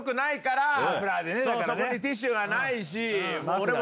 ティッシュがないし。